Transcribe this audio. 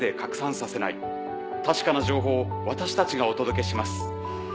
確かな情報を私たちがお届けします。